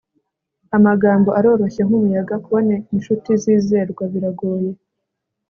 amagambo aroroshye, nk'umuyaga; kubona inshuti zizerwa biragoye